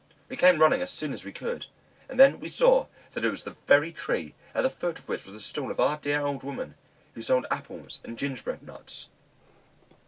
We came running up as soon as we could, and then we saw that it was the very tree, at the foot of which was the stall of our dear old woman, who sold apples and gingerbread nuts.